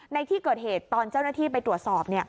ในที่เกิดเหตุตอนเจ้าหน้าที่ไปตรวจสอบ